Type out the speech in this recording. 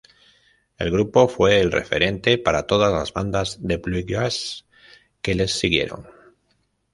El grupo fue el referente para todas las bandas de bluegrass que les siguieron.